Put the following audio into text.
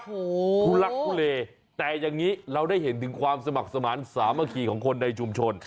ทุลักทุเลแต่อย่างนี้เราได้เห็นถึงความสมัครสมาธิสามัคคีของคนในชุมชน